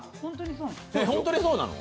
本当にそうなの？